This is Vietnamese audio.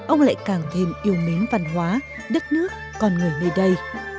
ông lại càng thêm yêu mến văn hóa đất nước con người nơi đây